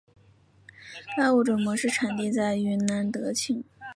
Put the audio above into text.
该物种的模式产地在云南德钦。